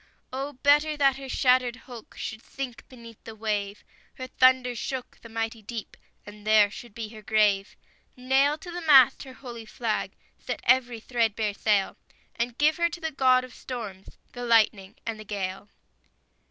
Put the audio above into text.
Oh, better that her shattered hulk Should sink beneath the wave; Her thunders shook the mighty deep, And there should be her grave; Nail to the mast her holy flag, Set every threadbare sail, And give her to the God of storms, The lightning and the gale!